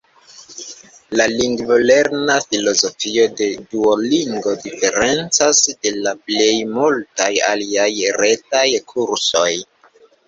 La lingvolerna filozofio de Duolingo diferencas de la plej multaj aliaj retaj kursoj.